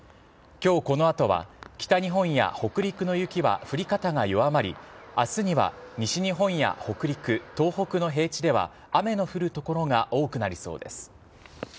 きょうこのあとは、北日本や北陸の雪は降り方が弱まり、あすには西日本や北陸、東北の平地では雨の降る所が多くなりそうです。